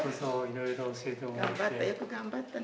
いろいろ教えてもらって。